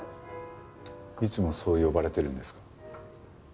いつもそう呼ばれてるんですか？